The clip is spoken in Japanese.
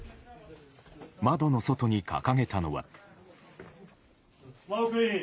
窓の外に掲げたのは。